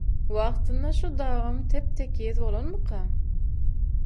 Wagtynda şu dagam tep-tekiz bolanmyka?